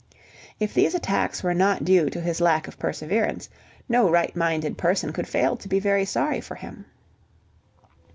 If these attacks were not due to his lack of perseverance, no right minded person could fail to be very sorry for him.